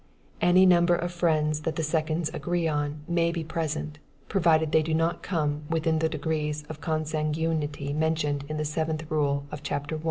Any number of friends that the seconds agree on, may be present, provided they do not come within the degrees of consanguinity mentioned in the seventh rule of Chapter I.